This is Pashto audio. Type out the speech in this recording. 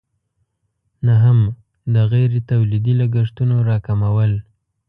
نهم: د غیر تولیدي لګښتونو راکمول.